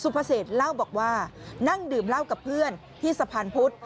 พระเศษเล่าบอกว่านั่งดื่มเหล้ากับเพื่อนที่สะพานพุธ